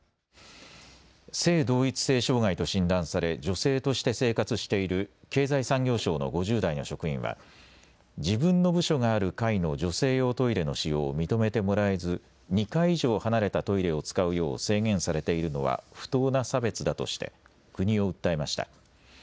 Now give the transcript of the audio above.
性同一性障害と診断され女性として生活している経済産業省の５０代の職員は自分の部署がある階の女性用トイレの使用を認めてもらえず２階以上離れたトイレを使うよう制限されているのは不当な差別だとして国を訴えました。